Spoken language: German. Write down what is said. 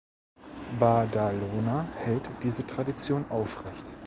Badalona hält diese Tradition aufrecht.